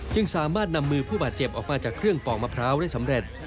จึงสามารถนำมือผู้บาดเจ็บออกมาจากเครื่องปอกมะพร้าวได้สำเร็จ